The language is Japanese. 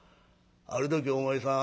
ある時お前さん